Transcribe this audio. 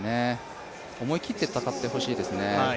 思い切って戦ってほしいですね。